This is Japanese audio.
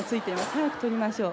早く取りましょう」